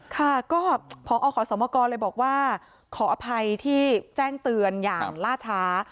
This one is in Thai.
ค่ะก็พอขอสมกรเลยบอกว่าขออภัยที่แจ้งเตือนอย่างล่าช้า